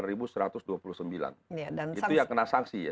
itu yang kena sanksi ya